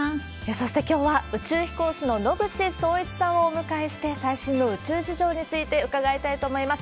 そして、きょうは宇宙飛行士の野口聡一さんをお迎えして、最新の宇宙事情について伺いたいと思います。